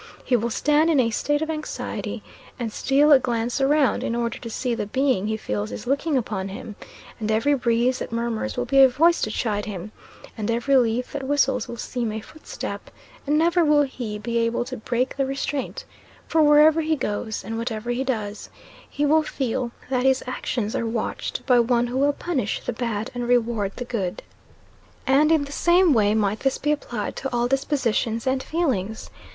He will stand in a state of anxiety, and steal a glance around, in order to see the Being he feels is looking upon him, and every breeze that murmurs will be a voice to chide him, and every leaf that whistles will seem a footstep, and never will he be able to break the restraint; for wherever he goes and whatever he does, he will feel that his actions are watched by one who will punish the bad and reward the good. And in the same way might this be applied to all dispositions and feelings.